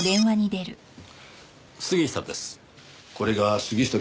杉下です。